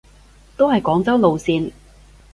都係廣州路線